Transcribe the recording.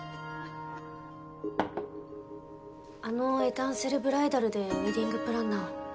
あのエタンセルブライダルでウェディングプランナーを？